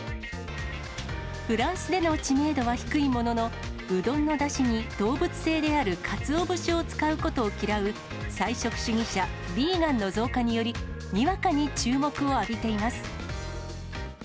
フランスでの知名度は低いものの、うどんのだしに動物性であるかつお節を使うことを嫌う、菜食主義者・ヴィーガンの増加により、にわかに注目を浴びています。